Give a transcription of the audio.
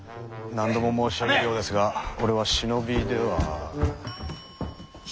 何度も申し上げるようですが俺は忍びでは。